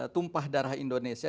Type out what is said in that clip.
tumpah darah indonesia